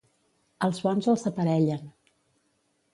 Als bons els aparellen.